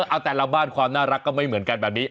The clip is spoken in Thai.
เอาแต่ละบ้านความน่ารักก็ไม่เหมือนกันแบบนี้